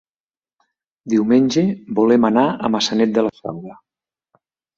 Diumenge volem anar a Maçanet de la Selva.